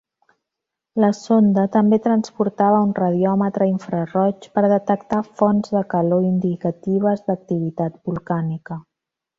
La sonda també transportava un radiòmetre infraroig per detectar fonts de calor indicatives d'activitat volcànica.